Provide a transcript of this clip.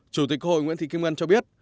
chủ tịch hội nguyễn thị kim ngân cho biết